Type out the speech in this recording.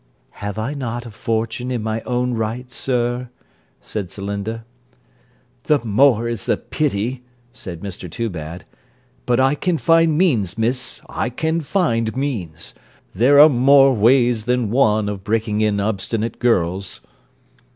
'Have I not a fortune in my own right, sir?' said Celinda. 'The more is the pity,' said Mr Toobad: 'but I can find means, miss; I can find means. There are more ways than one of breaking in obstinate girls.'